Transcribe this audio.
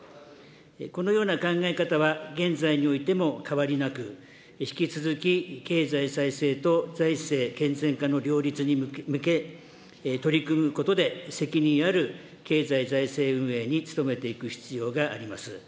このような考え方は、現在においても変わりなく、引き続き、経済再生と財政健全化の両立に向け、取り組むことで責任ある経済財政運営に努めていく必要があります。